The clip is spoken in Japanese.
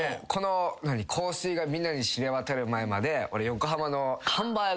『香水』がみんなに知れ渡る前まで俺。